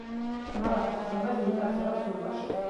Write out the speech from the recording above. მრავალ სახეობას ნიკაპზე აქვს ულვაში.